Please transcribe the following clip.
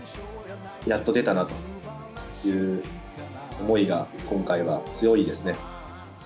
やっと出たなという思いが今回は強いですね。